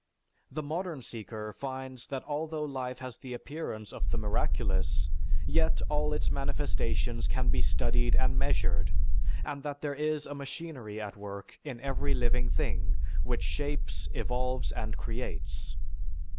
The modern seeker finds that although life has the appearance of the miraculous, yet all its manifestations can be studied and measured, and that there is a machinery at work in every living thing which shapes, evolves, and creates.